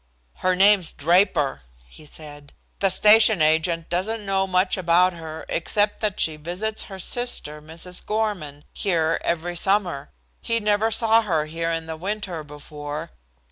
"Her name's Draper," he said. "The station agent doesn't know much about her, except that she visits a sister, Mrs. Gorman, here every summer. He never saw her here in the winter before.